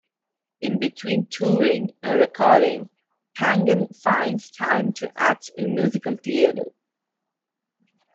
In between touring and recording, Pangan finds time to act in musical theater.